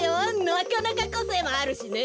なかなかこせいもあるしね。